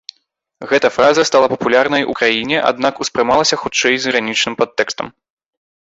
Гэта фраза стала папулярнай у краіне, аднак успрымалася хутчэй з іранічным падтэкстам.